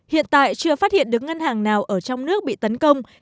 hiện tại chưa phát hiện được ngân hàng nào ở trong nước bị tấn công